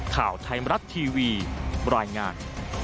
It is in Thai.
ข่าวไทยมรัฐทีวีรายงาน